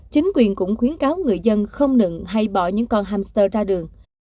chính quyền cũng khuyến cáo người dân không nựng hay bỏ những con hamster ra đường